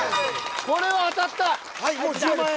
これは当たった。